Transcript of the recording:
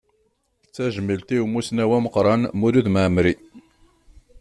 D tajmilt i umussnaw ameqqran Mulud Mɛemmri.